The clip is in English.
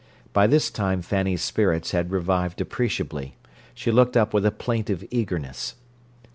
By this time Fanny's spirits had revived appreciably: she looked up with a plaintive eagerness.